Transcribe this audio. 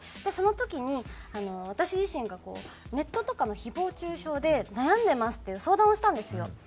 その時に私自身がネットとかの誹謗中傷で悩んでますっていう相談をしたんですよ。